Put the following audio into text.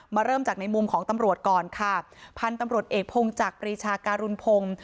เริ่มจากในมุมของตำรวจก่อนค่ะพันธุ์ตำรวจเอกพงจักรปรีชาการุณพงศ์